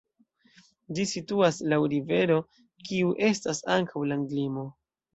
Ĝi situas laŭ rivero, kiu estas ankaŭ landlimo.